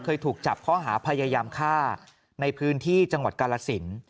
เคยถูกจับข้อหาพยายามฆ่าในพื้นที่จังหวัดกาลสิน